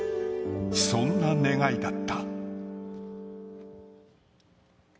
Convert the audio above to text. そんな願いだった。